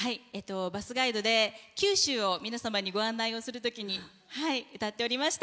バスガイドで九州を皆様にご案内するときに歌っておりました。